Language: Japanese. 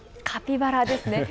カピバラですね。